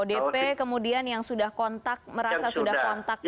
odp kemudian yang sudah kontak merasa sudah kontak